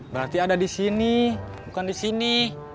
berarti ada di sini bukan di sini